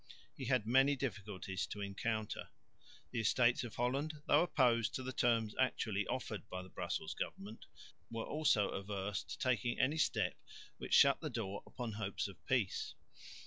He had many difficulties to encounter. The Estates of Holland, though opposed to the terms actually offered by the Brussels government, were also averse to taking any step which shut the door upon hopes of peace.